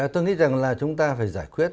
tôi nghĩ rằng là chúng ta phải giải quyết